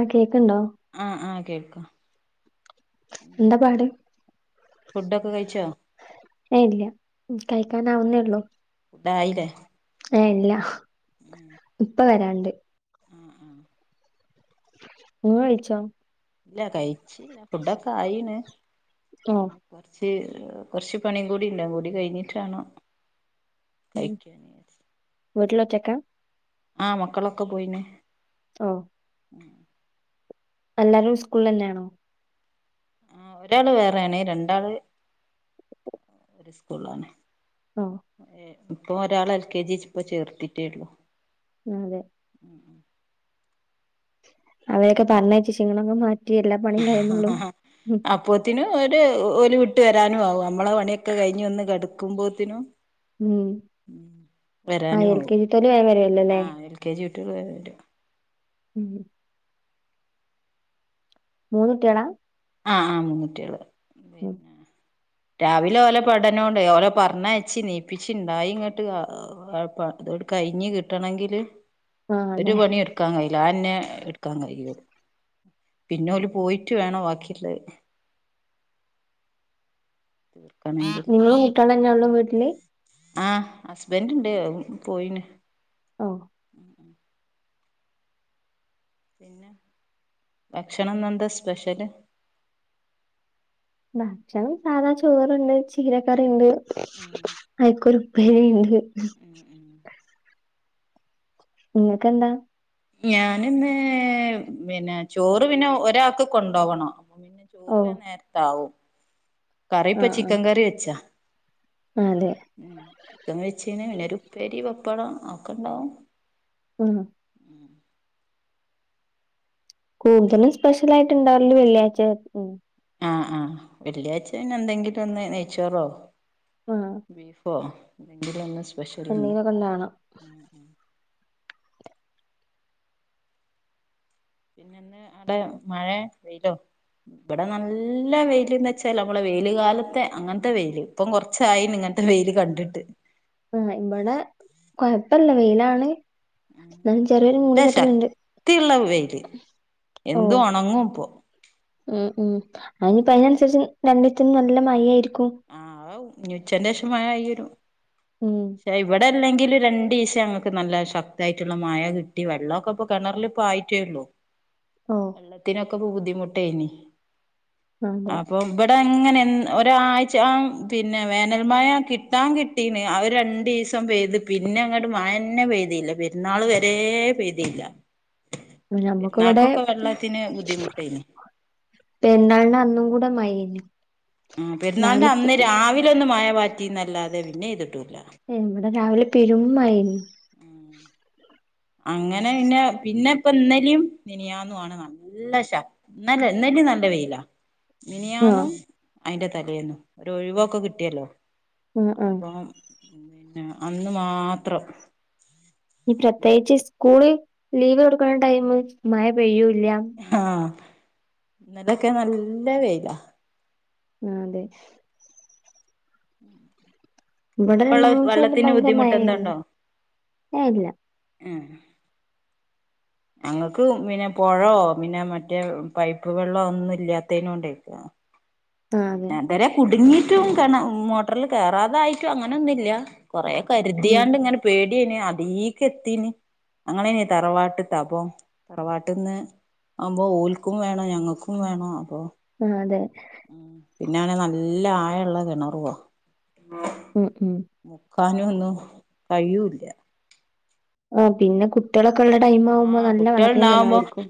Okay ആ ആ കേൾക്കാം എന്താ പിന്നെ ഫുഡൊക്കെ കഴിച്ചോ ഏയ് ഇല്ല കഴിക്കാനാവുന്നേള്ളൂ ഫുഡായില്ലേ ആ അല്ല ഇപ്പ വരാൻണ്ട് ആഹ് ആഹ് ഇങ്ങയിച്ചോ ഇല്ല കഴിച്ചില്ല ഫുഡൊക്കെ ആയിണ് ഓഹ് കുറച്ച് [unintelligible] കുറച്ചു പണിയും ക്കൂടിണ്ട് അതുംകൂടി കഴിഞ്ഞിട്ടാണം ഉം വീട്ടില്ലൊറ്റക്കാ ആ മക്കളൊക്കെ പോയിന് ഒ എല്ലാരു സ്കൂൾനാണോ ആ ഒരാള് വേറെണ് രണ്ടാള് ഒരു സ്കൂളാണ് ഓഹ് ഏ ഇപ്പൊ ഒരാളെ എൽ കെ ജി ഇപ്പ ചേർത്തിട്ടേ ഉള്ളു ആ അതെ അവയൊക്കെ പറഞ്ഞേ ചേച്ചിങ്ങളൊ [unintelligible] മാറ്റി എല്ലാ പണിയും കഴുന്നുള്ളൂ ഉ അപ്പോത്തിനും ഒരു ഓല് വിട്ട് വരാനും ആവു നമ്മളെ പണിയൊക്കെ കഴിഞ്ഞ് ഒന്ന് കിടക്കുമ്പോത്തിനും ഉം ആ വരാനും എൽ കെ ജി തൊല വേ വരല്ലല്ലേ ഒട്ടല്ല [unintelligible] ഉം മൂന്നു ഉട്ട്യാള അ അ മൂന്നുട്ട്യാള് പിന്നെ രാവിലെ ഓല പഠനോണ്ട് ഓല പർണയിച്ചി നീപ്പിച്ചിുണ്ടായി ഇങ്ങോട്ട് ആ [unintelligible] ഇട് കയിഞ്ഞ് കിട്ടണെങ്കില് ആഹ് ഒരു അതെ പണി എടുക്കാൻ കഴി എല്ലന്നെ എടുക്കാൻ കഴിയുള്ളൂ പിന്നൊല്ല് പോയിട്ട് വേണം ബാക്കി [unintelligible] തീർക്കണങ്കിൽ [unintelligible] ഇങ്ങളെന്നൊള്ളു വീട്ട്ല്ല് ആ ഹസ്ബൻറ് ണ്ട് പോയിന് [unintelligible] പിന്നെ ഭക്ഷണം ഇന്നൻന്താ എന്താ സ്പെഷ്യല് ഭക്ഷണം സാധാ ചോറുണ്ട് ചീരക്കറിയുണ്ട് അയിക്കൊരു പണ്ട് [unintelligible] നിങ്ങക്കന്താ ഞാനന്ന് പിന്നെ ചോറ് പിന്നെ ഒരാക്ക് കൊണ്ടോവണം പിന്നെ ചോറു വേ ഓഹ് നേരത്താവും കറിയിപ്പ ആഹ് ആഹ് ചിക്കൻക്കറി വെച്ച അതെ ഉം ചിക്കൻവെച്ചിന് പിന്നെരു ഉപ്പേരി പപ്പടം ഒക്കെ ഇണ്ടാവും ഉ [unintelligible] കൂന്തലും സ്പെഷ്യൽയിട്ട് ഉണ്ടാവല്ല് വെള്ളിയാഴ്ച ഉ അ ആ വെള്ളിയാഴ്ചന്നെ എന്തെങ്കിലും ഒന്ന് നെയ്ച്ചോറോ ആഹ് ബീഫോ എന്തെങ്കില്ലോന്ന് എന്തെങ്കിലുക്കെണ്ടവണം പിന്നെന് അടെ മഴ വെയില്ലോ ഇവിടെ നല്ല വെയില്ന്ന് വെച്ചാൽ നമ്മള വെയില കാലത്തെ അങ്ങനത്തെ വെയിയില് ഇപ്പം കൊറച്ചായി നിങ്ങ അങ്ങനത്തെ വെയ്ൽ കണ്ടിട്ട് ആ ഇവിടെ കൊഴപ്പല്ല വെയിലാണ് ഉ എന്നാലും ചെറിയൊരു നല്ല മൂടിക്കെട്ടലുണ്ട് ശക്തിയുള്ള വെയില്ല് ഓ എന്തു ഒണങ്ങും ഇപ്പൊ ഉം ഉം അയിനിപ്പം അയിനനുസരിച് രണ്ടീസം നല്ല മഴയായിരി ആവു ഇനി ഉച്ചന്റെ ശേഷം മഴയായിവരും ഉം ശേ ഇവിടെ അല്ലെങ്കി [unintelligible] രണ്ടീസം അങ്ങക്ക് നല്ല ശക്തായിട്ടുള്ള മഴ കിട്ടി വെള്ളോക്കെ ഇപ്പൊ കേണറിലിപ്പായിട്ടോള്ളു ഓ വെള്ളത്തിനൊക്കെ ബുദ്ധിമുട്ടേനി അതെ അപ്പൊ വെടെ അങ്ങനെ ന്ന് ഒരായ് പിന്നെ വേനൽ മഴ കിട്ടൻ കിട്ടീ അവര് രണ്ടണ്ട് ദിവസം പെയ്ത് പിന്നെ അങ്ങോട്ട മ ന്നെ പെയ്തിയില്ല പെരുന്നാൾ വരെ പെയ്തിയില്ല പി നമ്മുക്ക് ഇവിടെ ഇപ്പ ബുദ്ധിമുട്ടേനി എന്താ അന്നും കൂടെ മൈന് ആ പെരുന്നാളണ്ട് അന്ന് രാവിലെ ഒന്ന് മഴ പാറ്റിന്നല്ലാതെ പിന്നെ ഇ്തിട്ടൂല്ലേ ഇവിടെ രാവിലെ പെരുമഴയിരുന്നു അങ്ങനെ പിന്നെ പിന്നെ ഇപ്പൊ ഇന്നലും നനിയാന്നു ആമാണ് നല്ല ശല്ല ഇലും നല്ല വെയിലാ ആഹ് മിനിയാന്നും അയിന്റെ തലയന്നും ഒ ഒഴിവൊക്കെ കിട്ടിയല്ലോ ഉം ഉ അപ്പം പിന്നെ അന്ന് മാത്രം ഈ പ്രത്യേകിച്ച് സ്കൂളിൽ ലീവ് കൊടുക്കണ ടൈമ മഴ പെയ്യൂ ആഹ ഇന്നതൊക്കെ നല്ല വെയില ആ അതെ ഇവിടെ രണ്ട് വള്ള മൂന്ന് ദിവസായിട്ട് വെള്ളത്തിന് ഭയങ്കര മഴയായിരുന്നു ബുദ്ധിമുട്ട്ന്താണ്ടോ ഏ ഇല്ല ഉഏ അങ്ങൾക്ക് പിന്നെ പുഴോ പിന്നെ മറ്റേ പൈപ്പ് വെള്ളമോ ഒന്നും ഇല്ലാത്തേന കൊണ്ടേക്ക ആ അതെ പിതുവരെ കുടുങ്ങിട്ടും ക മോട്ടറിൽ കേയറാതായിട്ടും അങ്ങനെയൊന്നുമില്ല കൊറെേ ഉം കരുതിയാണ്ട് ഇങ്ങനെ പേടിയന് അതീക്ക എത്തിന് അങ്ങനെനെയ തറവാട്ടത്താ അപ്പ തറവാട്ട്ന്ന് അ്പൊ ഓൽക്കും വേണം ഞങ്ങൾക്കും വേണം അപ്പൊ ആ അതെ ഉ പിന്നെ ആണെ നല്ല ആഴ ഉുള്ള കിണറുവോ ഉം ഉം ക്കാന ഒന്നും കഴിയൂല്ല ആ പിന്നെ കുട്ടികളൊക്കെ ഉള്ള ടൈം ആവുമ്പോ ആഹ് നല്ല വെള്ളത്തിന് ചെലായിരിക്കും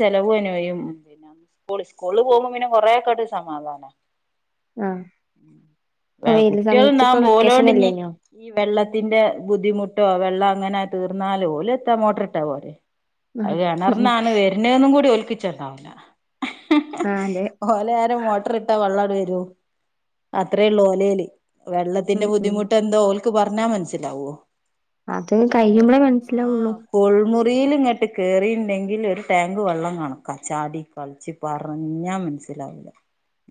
ചെലവ് അനവയും പിന്നെ സ്കൂ സ്കൂളിൽ പോകുമ്പ പിന്നെ കുറെക്കെട്ട് സമാധാനം ആ ഇപ്പൊ വെയില് സമയത്ത് കുട്ടികൾന്നാൻ ഇപ്പൊ വെക്കേഷൻ പോലോണ്ട ഇങ്ക അല്ലേനോ ഈ വെള്ളത്തി ത്തിന്റെ ബുദ്ധിമുട്ടോ വെള്ളം അങ്ങനെ തീർന്നാലല് പോലെത്താ മോട്ടർ ഇട്ടാ പോലെ ആ അത് കിണർന്നാണ് വരുന്ന ഒന്നും കൂടി ഒല്പ്പിച്ചണ്ടാവില്ല ആ അതെ ഓലെ ആാരും മോട്ടർ ഇട്ടാ വെള്ളം അത്രേള്ളൂഓലൽ വെള്ളത്തിന്റെ ഉം ഉം ബുദ്ധിമുട്ട് എന്ത പറഞ്ഞാ മനസ്സിലാവോ അത് കഴിയുമ്പഴേ മനസ്സിലാവുള്ളു ആഹ് കുൾമുറിയിൽ ഇങ്ങോട്ട് കേയറി ഉണ്ടെങ്കിൽ ഞാൻ മനസ്സിലാവില്ല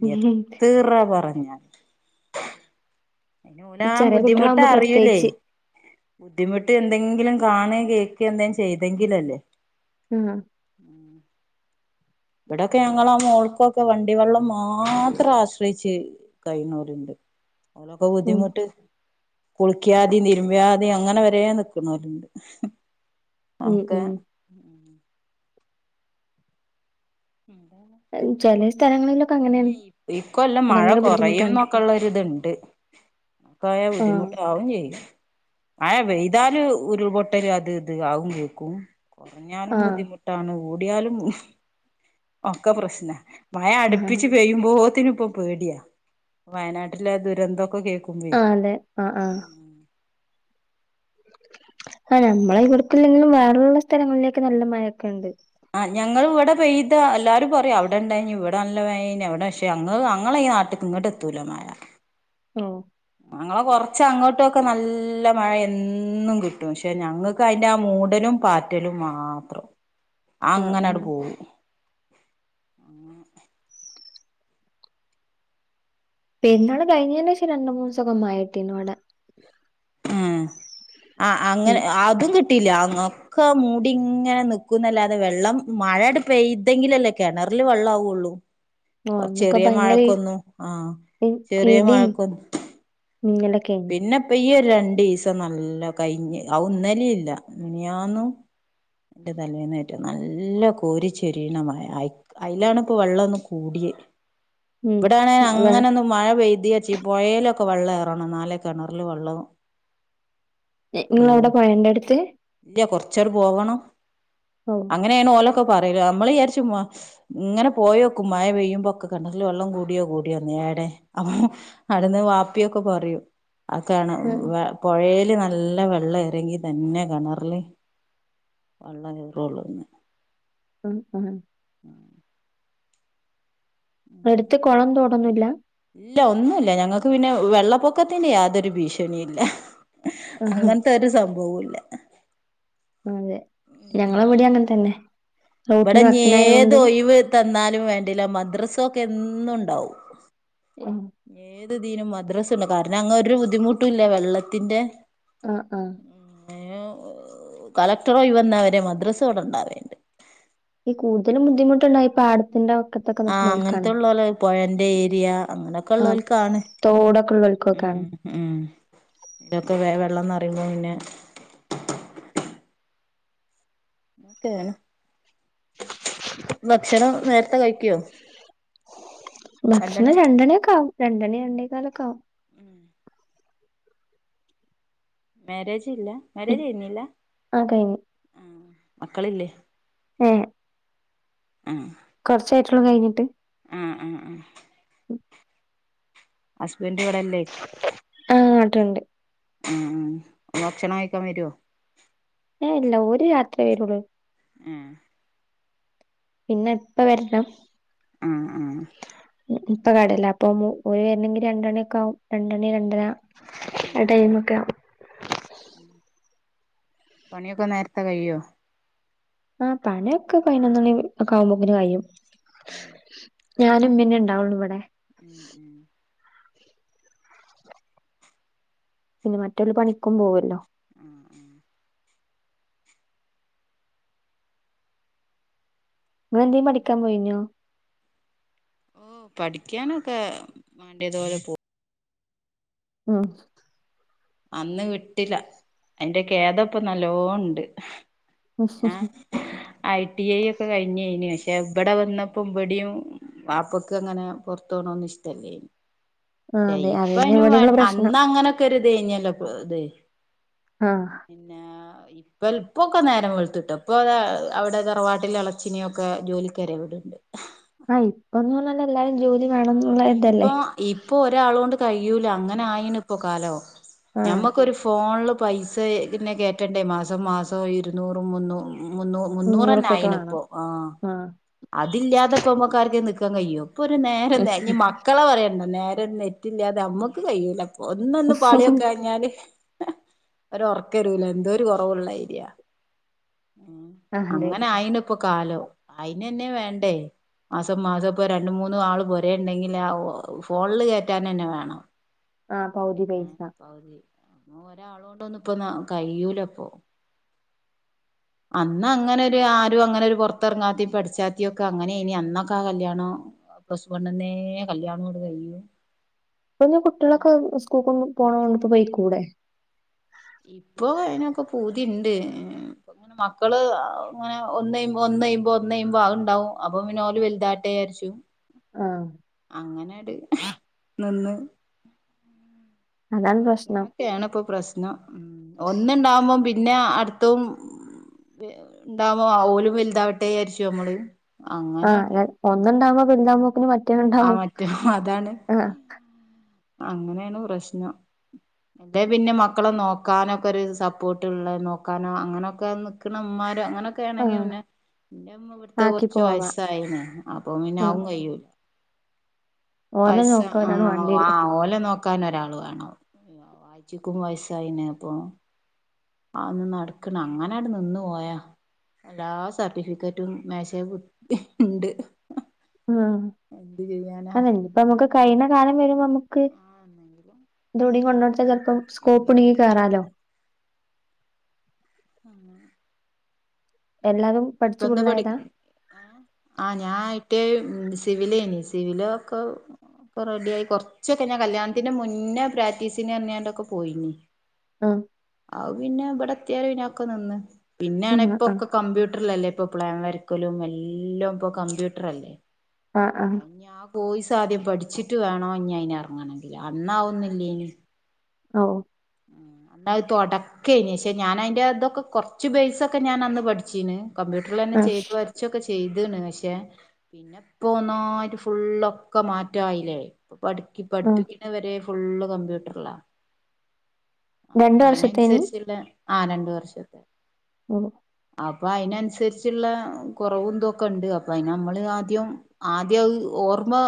ഉം. എത്രറ പറഞ്ഞാൽ ഇ ഓനാ ചെറിയ ബുദ്ധിമുട്ട് കുട്ടികളാവുമ്പോ അറിയിൂല്ലേ പ്രത്യേകിച്ച് ബുദ്ധിമുട്ട് എന്തെങ്കിലും കാണ കേക്കുക എന്തെങ്കിലും ചെയ്തെങ്കിലല്ലേ ഉം ഇവിടെക്കെ ഞങ്ങള ആ മോൾക്കൊക്കെ വണ്ടി വെള്ളം മാത്രം ആശ്രയിച്ച്ുകഴിഞ്ഞൂരുണ്ട് അനൊക്കെ ഉം ബുദ്ധിമുട്ട് കുളിക്കാതി നിരുമ്പ്യാതി അങ്ങനെ വര നിക്കണലണ്ട് ഉം നമുക്കെ ഉം ചില സ്ഥലങ്ങളിലും ഈ കൊല്ലം മഴ കുറയും ബുദ്ധിമുട്ടാണ് എന്നൊക്കെ ഉള്ളരി ഇത്ണ്ട് കായ ആ ബുദ്ധിമുട്ടു ട്ടാ ഒ ചെയ മഴ വെയ്താല് ഒരുൾ പൊട്ടല് അത് ഇത് ആകും കേക്കും കുറഞ്ഞാലും ആ ബുദ്ധിമുട്ടാണ് ഓടിയാലും ഒക്കെ പ്രശ്ന മഴ ആ അടുപ്പിച്ച് പെയ്യുമ്പോത്തിനും ഇപ്പൊ പേടിയാ വയനാട്ടിലെ ദുരന്തമൊക്കെ കേ ആ അല്ലെ ആഹ ആഹ ആ നമ്മളെ ഇവിടുക്കല്ലെങ്കിലും വേറള്ള സ്ഥലങ്ങളിലൊക്കെ നല്ല മഴൊക്കെ ഉണ്ട് ആ്ഞങ്ങള്ൾ ഇവിടെ പെയ്ത എല്ലാരും പറയും അവിടെണ്ടായി ഇവിടെല്ല എവിടെ പക്ഷെ അ അ നാട്ടക്ക് ഇങ്ങോട്ട എത്തൂല മ ഓ ഞങ്ങളെ കൊറച്ച അങ്ങോട്ടുമൊക്കെ നല്ല മഴ എന്നും കിട്ടും പക്ഷെ ഞങ്ങൾക്ക് അതിന്റെ ആ മ മൂടലും പാറ്റലും മാത്രം [unintelligible] അങ്ങനെട് ആഹ് പോവങ്ങ പിന്നോാണ് കഴിഞ്ഞന് പേഷം രണ്ട മൂന്ന് ദിവസകമായിട്ടീന്നോടെ ഉ ആ അങ്ങനെ അതും കിട്ട അങ്ങൊക്കെ മൂടിങ്ങനെ നക്കുന്നല്ലാതെ വെള്ളം മഴ പെയ്തെങ്കിലല്ലേ കിണർ അതില് വെള്ള ആാവുള്ളൂ ഓഹ് കൊറ അന്നൊക്കെ ചെറിയ ഭയങ്കര ഇ മഴക്കൊന്നു ആഹ ചെറിയ മഴക്കൊന്നു മ നിലക്ക രണ്ടു ദിവസം നല്ല കഴിഞ്ഞഞ് ആ ഒന്നല ഇല്ല ഇനിയന്നു എന്റെ തലമേന്ന്റ്റോ നല്ല കോരി ചൊരിീണമായ അതിലാണ ഇപ്പോൊ വെള്ളമൊന്നും കൂടി ഉം ഇവിടെണെ വെ അങ്ങനെ ഒന്ന്ും മഴ പെയ്ുതി വെച്ച പുഴലൊക്കെ വെള്ളംേറണം നാല കിണറില് വെള്ളവും നിങ്ങ എവിടെ പോയ എൻന്റെ അടുത്ത് കുറച്ചടി പോവണംോ ഓഹ് അങ്ങനെയണ ഓല ക്ക പറയൂോ നമ്മൾ വിചരി ഇങ്ങനെ പോയോക്ക മഴ പെയ്യുമ്പോൊക്കെ കണ്ടൽ വെള്ളം കൂടിയോ കൂടിയോ ടെ അപ്പ അടുന്ന് വാപ്പിയൊക്കെ പറയും അക്കെയാണ് ആഹ് പുഴൽ നല്ല വെള്ളം ഇറങ്ങി തന്നെ കിണറൽ വള്ള ചൂറള്ളന്ന് ഉം ഉ എടുത്ത് കുളം തോടന്നില്ല ഇല്ല ഒന്നുമല്ല ഞങ്ങക്ക് പിന്നെ വെള്ളപ്പൊക്കത്തിന് യാതൊരു ഭീഷണി ഇല്ല ആഹാ അങ്ങനത്തെ ഒരു സംഭവ ഇല്ല അതെ ഞങ്ങളെ വിടി അങ്ങനെ തന്നെ ഇവിടെ റോട്ടിന് ഏത് വക്കിനായോണ്ട് ഒഴിവ് തന്നാലും വേണ്ടില്ല മദ്രസ ഇൊക്കെ എന്നുണ്ടാവും ആഹ് ഏത്തിനും മദ്രാസണ് കാരണം അങ്ങ ഒരു ബുദ്ധിമുട്ടുംല്ല വെള്ളത്തിന്റെ ആഹ ആഹ കളക്ടറോ വന്ന അവരെ മദ്രസോവിടെ ഇണ്ടാവേണ്ട് ഈ കൂടുതലും ബുദ്ധിമുട്ടുണ്ടായി ഈ പാടത്തിന്റെ വക്കത്തൊക്കെ ആഹ അങ്ങനത്തെ നിക്കണോൽക്കാണ് ഉള്ളല പുഴന്റെ ഏരിയ അങ്ങനെയൊക്കെ ആഹ് ഉള്ളവലക്കാണ് തോടൊക്കെ ഉം ഉള്ളോൽക്കൊക്കാണ് ഉം ഇതൊക്കെ വ വെള്ളംന്ന്റയുമ്പോ പിന്നെ ക്കാണ് ഭക്ഷണം നേരത്തെ കഴിക്കുവോ ഭക്ഷണം രണ്ടെണിയൊക്കെ ആവുംും രണ്ടെണി രണ്ടേക്കാലൊക്കെ ആും മാരേജ് ഇല്ല മാരേജ് ചെയുന്നില്ല ആ കഴിഞ്ഞ് മക്കളില്ലേ ആ ആഹ കുറച്ചായിട്ടള്ളൂ കഴിഞ്ഞിട്ട് ആഹ ആ ആ ഹസ്ബൻഡ ഇവിടെല്ലേക്ക ട്ടണ്ട് ഉ ഭക്ഷണം കഴിക്കാൻ വരുവോ ഇല്ല ഒരു യാത്ര വരുള്ളൂ ആഹ പിന്നെ ഇപ്പ വരണം ഉ ഉ ഇപ്പൊ കടല്ല അപ്പൊ വരണെങ്കി രണ്ടണിൊക്കെ ആാവും രണ്ടണി രണ്ടെണ ആ ടൈമ ഒക്കെ പണിയൊക്കെ നേരത്തെ കഴിയോ ആ പണയൊക്കെ പതിനനൊന്നണി കവുമ്പോങ്ങനന് കഴിയും ഉം ഞാനും പിന്നെ ഉണ്ടാവുള്ളു ഇവിടെ ഉം ഉം പിന്നെ മറ്റരു പണിക്കും പോവല്ലോ ഉം ഉം നിങ്ങെന്തേും മടിക്കാൻ പോയിഞ്ഞോ ഓ പഠിക്കാനൊക്കെ വേണ്ടിയത്പോലെ പോകും ആഹ അന്ന് കിട്ടില്ല അതിന്റെ കേ ഏതപ്പ നല്ലോൺ ഉണ്ട് ആ ഐ ടി ഐ ഒക്കെ കഴിഞ്ഞയിന് പ എവിടെ വന്നപ്പോബടും പാപ്പക്ക് അങ്ങനെ പൊറത്തോണന്ന് ഇഷ്ടല്ലേന് ആ അതെ ഇപ്പ അതന്നെ അ ഇവിടെയുള്ള പ്രശ്നം അന്ന് അങ്ങനൊക്കെരു അതെല്ല അതെ ആ പിന്നെ ഇപ്പ ഇപ്പൊക്കെ നേരം വെുത്തിട്ടോ ഇപ്പൊ അ അവിടെ തറവാട്ടിലെ ഇളച്ചിനിയൊക്കെ ജോലിക്കാര ഇവിടെണ്ട് ആയിപ്പൊന്നന്നല്ലല്ല ആഹ് ഇപ്പൊ ഇപ്പൊ ഒരാള കൊണ്ട് കഴൂല അങ്ങനെ ആയിന ഇപ്പോൊ കാലോ ആ നഞമ്മക്കരു ഫോണ പൈസ പിന്നെ കേട്ടണ്ടേ മാസം മാസവും ഇരുന്നൂറും മൂന്നും മുന്നൂ മുന്നൂറന്ന മുന്നൂറുപ്യൊക്കെ ആണ വേണം ഇപ്പൊ ആ ആഹ് അതില്ലാതെ പോ്പോക്കാർക്കെ ന പക്കൻ കഴിയും ഇപ്പൾ ഒരു നേരം ഇനി മക്കളെ പറയണ്ട നേരം നെറ്റില്ലാതെ നമ്മുക്ക് കഴിയില്ല ഒന്നൊന്ന് പാളിയൊക്കെ കഴിഞ്ഞാല് ഒ ഉറക്കരുല എന്തോ ഒരു കുറവുള്ള ഐരിയ അതെ അങ്ങനെ അയിന ഇപ്പൊ അ വ ര അുണ്ടെങ്കിൽ ആ ഫോണിൽ കയറ്റാൻ തന്നെ വേണം ആഹ പൗതി പൈസ അ ഒരാളൊണ്ട ഒന്നും ഇപ്പൊ കഴൂലപ്പൊ അന്ന് അങ്ങനെ ഒരു ആരും അങ്ങനെ ഒരു പുറത്തിറങ്ങാത്തി പഠിച്ചാത്തി ഒക്കെ അങ്ങനെ ഇനി അന്നൊക്കെ ആ കല്യാണണം പണ്ന്നെ കല്യാണോട് കഴു ഇ കുട്ടികളൊക്കെ സ്കൂൾ പോണതണ്ട് ഇപ്പ ബൈക്കൂടെ ഇപ്പൊ അയിനൊക്കെ പൂതി ഉണ്ട് അങ്ങനെ മക്കള് അങ്ങനെ ഒന്ന ഒന്നഴുമ്പോ ഒന്നഴുമ്പോ ആ ഉണ്ടാവും അപ്പൊ പിനോല് വലുതാട്ട അശു ആഹ അങ്ങനെട് നിന്ന് അതാണ് പ്രശ്നം അങ്ങനൊക്കെയാണ് ഇപ്പൊ പ്രശ്നം ഉ ഒന്നുണ്ടാവുമ്പോ പിന്നെ അടുത്തും ഉണ്ടാമോ ഓലും വലുതാവട്ടെ ആരിച്ചു നമ്മള് അങ്ങനെണ്ട് ആഹ ഒന്നുണ്ടാവകുമ്പോ പില്ലാമോക്കിന് മറ്റേ ആ ഇണ്ടാവും മറ്റേ അതാണ് ആഹ അങ്ങനെയാണ് പ്രശ്നം അതെ പിന്നെ മക്കളെ നോക്കാനോ ഒക്കെ ഒരു സപ്പോർട്ട് ഉള്ള നോക്കാനോ അങ്ങനൊക്കെ നണമാ അങ്ങനൊക്കെ ആഹ് ആണെങ്കിന്നെ എന്റെ ഇവിടുത്തെ ആക്കി കുറച്ച് പോവാ വയസ്സായിന അപ്പൊ പിന്നെ ആഹ് ആും കഴൂല ഓലെ പയസ നോക്കാൻ ആ ഒരാള് ആ വേണ്ടിവരും ഓല നോക്ക നക്കൻ ഒരാൾ വേണം വായിച്ചക്കും വയസായിന അപ്പൊ അന്ന് നടക്കണ അങ്ങനെടെ നിന്ന പോയാ എല്ലാ സർട്ടിഫിക്കറ്റും മേശ ഉണ്ട് ഉം അതന്നെ ഇപ്പ നമുക്ക് കഴുന്ന കാലം വരുമ്പോ നമുക്ക് ആഹ് എന്തെങ്കിലും ൊടി കൊണ്ടോടത്താ ചപ്പോ ഉം സ്കോപ്പ് ഉണങ്ങി കേയറാലോ ആഹജി എല്ലാതും ഇപ്പ പഠിച്ചു എന്താ പഠ ഫുള്ളായതാ ആ ഞാൻ ഇറ്റേ സിവിിലേനി സിവില ഒക്ക ഇപ്പൊ റെഡിയായി കുറച്ചൊക്കെ ഞാൻ കല്യാണത്തിന്റെ മുന്നേ പ്രാക്ടീസിന് അങ്ങനാണ്ടൊക്കെ പോയിനി ആഹ് ആ പിന്നെ ഇവിടെ എത്തിയാപിന്നൊക്കെ നിന്ന് പിന്നെയാണ് ആഹ് ആഹ് ഇപ്പൊക്കെ കമ്പ്യൂട്ട ല്ലേ ഇപ്പൊ പ്ലാം വരക്കലും എല്ലാം ഇപ്പൊ കമ്പ്യൂട്ടർ അല്ലേ ആഹ! ആഹ! ബോയിസ് ആദ്യം പഠിച്ചിട്ട് വേണോ അയിന് എറങ്ങണങ്കില് അന്നാവുന്നില്ലേനി ഓ. എന്നത് തുടക്കേന പക്ഷെ ഞാൻ അതിന്റെ അതൊക്കെ കൊറച്ച് ബേസൊക്കെ ഞാൻ അന്ന് പഠിച്ചീന്ന് കമ്പ്യൂട്ടറിലന്നെ ആഹ് ചെയ്ത് വരച്ചൊക്കെ ചെയ്തണ് പക്ഷെ പിന്നെ ഇപ്പൊ ഒന്നായിട്ട് ഫുള്ളൊക്കെ മാറ്റായില്ലേ പഠി ആഹ് പഠിപ്പിക്കുന്നവരെ ഫുള്ള് കമ്പ്യൂട്ടറല്ലാ അപ്പൊ രണ്ട് വർഷത്തേനി അതിനനുസരിച്ചുള്ള ആ രണ്ട് വർഷത്തെ ഉ അപ്പൊ അയ്നനുസരിച്ചുള്ള കുറവും എന്തൊക്കെ ഉണ്ട് അപ്പൊ അതിന് നമ്മള് ആദ്യം- ആദ്യ ഓർമ്മ